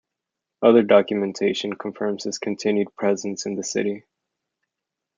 Other documentation confirms his continued presence in the city.